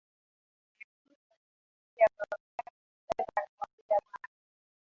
unayemgusa ukiingia kwa taxi driver anakwambia bwana